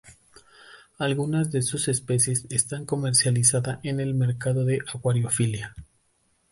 Algunas de sus especies están comercializada en el mercado de acuariofilia.